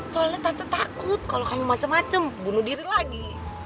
soalnya tante takut kalau kamu macem macem bunuh diri lagi